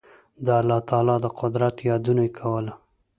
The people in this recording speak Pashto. د الله تعالی د قدرت یادونه یې کوله.